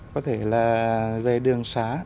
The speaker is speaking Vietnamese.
có thể là về đường xá